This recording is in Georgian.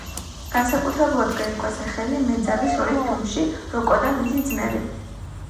განსაკუთრებულად გაითქვა სახელი მეძავის როლით ფილმში „როკო და მისი ძმები“.